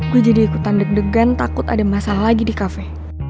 gue jadi ikutan deg degan takut ada masalah lagi di kafe